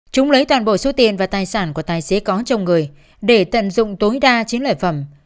chúng lấy toàn bộ số tiền và tài sản của tài xế có trong người để tận dụng tối đa chín loại phẩm